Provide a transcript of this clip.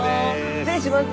失礼します！